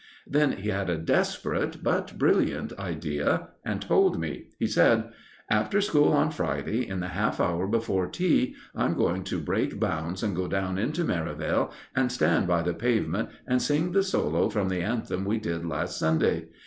Then he had a desperate but brilliant idea, and told me. He said: "After school on Friday, in the half hour before tea, I'm going to break bounds and go down into Merivale and stand by the pavement and sing the solo from the anthem we did last Sunday!